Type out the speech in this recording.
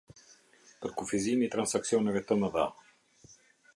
Përkufizimi i Transaksioneve të Mëdha.